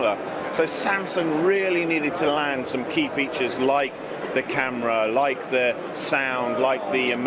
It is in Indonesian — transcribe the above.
jadi samsung benar benar perlu menerima beberapa fitur utama seperti kamera suara emoji dan lain lain